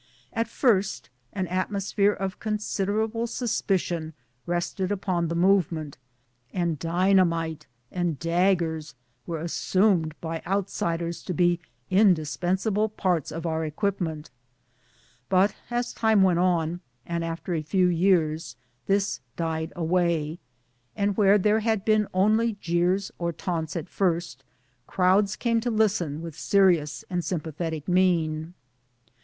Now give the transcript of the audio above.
At first an atmosphere of considerable suspicion rested upon the movement, and dynamite and daggers were assumed by outsiders to be indispensable parts of our equipment ; but as time went oa and after a few years, this died away and where there had been only jeers or taunts at first, crowds came to listen with serious and sympathetic mien.